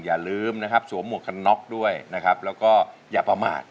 อย่าลืมนะครับสวมหมวกกันน็อกด้วยนะครับแล้วก็อย่าประมาท